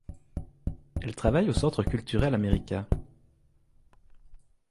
Elle travaille au Centre culturel américain.